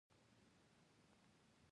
د څرمنې او ښیښو جوړولو کارخانې تاسیس شوې.